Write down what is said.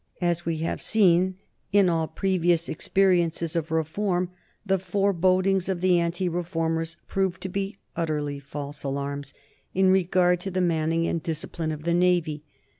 As we have seen in all previous experiences of reform, the forebodings of the anti reformers proved to be utterly false alarms in regard to the manning and the discipline of the Navy.